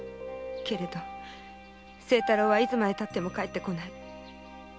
けれど清太郎はいつまでたっても帰ってこない。